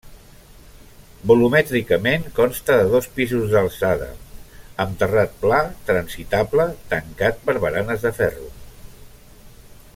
Volumètricament consta de dos pisos d'alçada amb terrat pla transitable tancat per baranes de ferro.